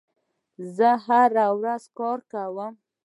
زه هره ورځ کار کوم.